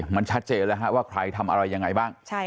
มันชัดเจนแล้วว่าใครทำอะไรยังไงบ้าง